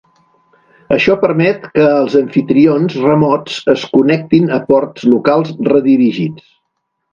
Això permet que els amfitrions remots es connectin a ports locals redirigits.